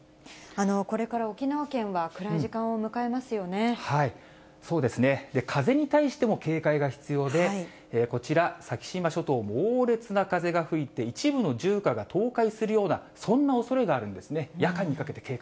これから沖縄県は暗い時間をそうですね、風に対しても警戒が必要で、こちら、先島諸島、猛烈な風が吹いて、一部の住家が倒壊するような、そんなおそれがあるんですね。